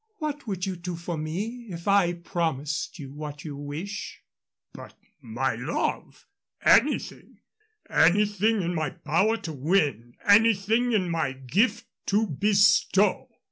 "What would you do for me if I promised you what you wish?" "By my love! anything anything in my power to win, anything in my gift to bestow."